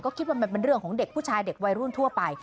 ก็คิดว่ามันเป็นเรื่องของเด็กผู้ชายเด็กวัยรุ่นทั่วไป